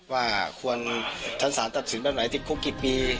ว่าควรชั้นสารตัดสินแบบไหนติดคุกกี่ปี